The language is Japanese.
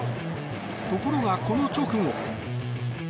ところが、この直後。